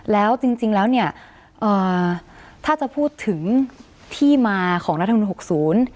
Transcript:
แล้วจริงจริงแล้วเนี่ยอ่าถ้าจะพูดถึงที่มาของรัฐมนุนหกศูนย์